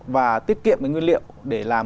và tiết kiệm nguyên liệu để làm